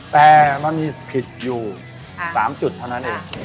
แต่มันมีผิดอยู่๓จุดเท่านั้นเอง